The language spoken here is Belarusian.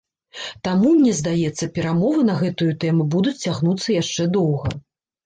Таму, мне здаецца, перамовы на гэтую тэму будуць цягнуцца яшчэ доўга.